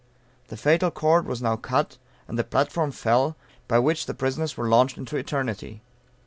The fatal cord was now cut, and the platform fell, by which the prisoners were launched into eternity.